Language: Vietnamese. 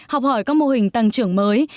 học hỏi các mô hình tăng trưởng mới